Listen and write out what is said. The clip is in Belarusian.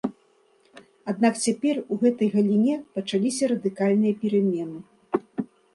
Аднак цяпер у гэтай галіне пачаліся радыкальныя перамены.